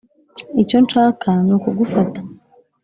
icyo nshaka ni ukugufata